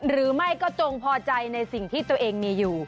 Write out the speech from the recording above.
หรือไม่ก็จงพอใจในสิ่งที่ตัวเองมีอยู่